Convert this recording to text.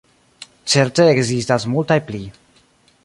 Certe ekzistas multaj pli.